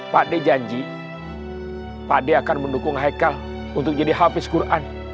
pak dea janji pak dea akan mendukung haikal untuk jadi hafiz al quran